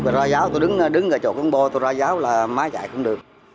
rồi ra giáo tôi đứng ở chỗ công bộ tôi ra giáo là máy chạy không được